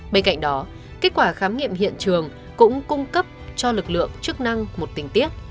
bên cạnh đó kết quả khám nghiệm hiện trường cũng cung cấp cho lực lượng chức năng một tình tiết